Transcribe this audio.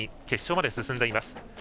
決勝まで進んでいます。